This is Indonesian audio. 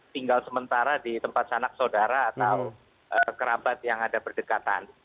tinggal sementara di tempat sanak saudara atau kerabat yang ada berdekatan